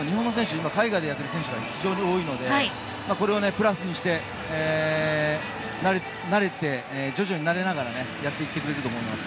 今、海外でやっている選手が多いのでこれをプラスにして徐々に慣れながらやっていってくれると思います。